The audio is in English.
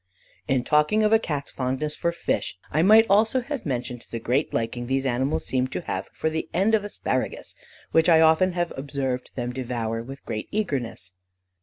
In talking of a Cat's fondness for fish (see page 73), I might also have mentioned the great liking these animals seem to have for the ends of asparagus, which I have often observed them devour with great eagerness.